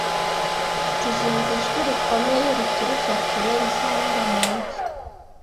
Tuzumva ijwi rikomeye rituruka kure rizanyura mu mujyi